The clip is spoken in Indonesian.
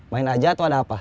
main aja atau ada apa